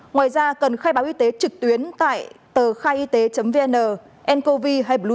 ngoài ra cần khai báo y tế trực tuyến tại tờ khaiyt vn ncovi hay bluzone và thường xuyên cập nhật tình trạng sức khỏe